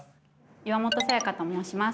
岩本早耶香と申します。